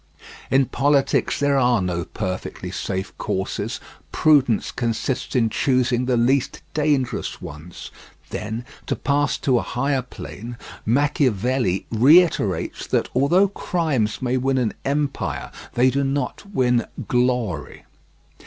In politics there are no perfectly safe courses; prudence consists in choosing the least dangerous ones. Then—to pass to a higher plane—Machiavelli reiterates that, although crimes may win an empire, they do not win glory.